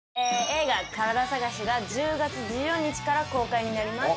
映画『カラダ探し』が１０月１４日から公開になります。